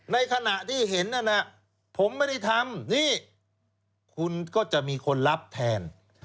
ในขณะที่เห็นนั่นน่ะผมไม่ได้ทำนี่คุณก็จะมีคนรับแทน